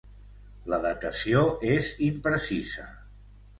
La datació és imprecisa.